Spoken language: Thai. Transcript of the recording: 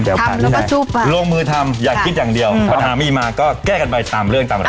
เราลงมือทำอยากคิดอย่างเดียวปัญหามีมาก็แก้กันไปตามเรื่องตามรอบ